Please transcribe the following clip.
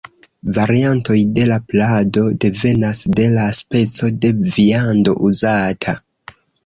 Variantoj de la plado devenas de la speco de viando uzata.